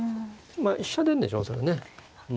まあ飛車出んでしょうそれね。